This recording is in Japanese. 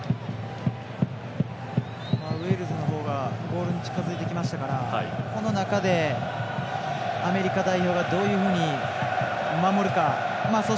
ウェールズの方がゴールに近づいてきましたからアメリカ代表がどういうふうに守るか。